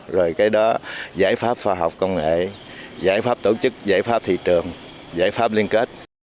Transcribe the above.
rồi cái đó giải pháp khoa học công nghệ giải pháp tổ chức giải pháp thị trường giải pháp liên kết